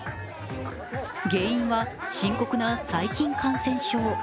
原因は深刻な細菌感染症。